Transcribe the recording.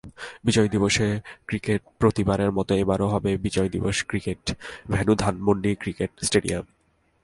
বিজয় দিবস ক্রিকেটপ্রতিবারের মতো এবারও হবে Bijoy Dibos cricket, venue Dhanmondi cricket stadium.